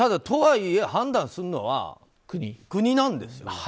とはいえ判断するのは国なんですよね。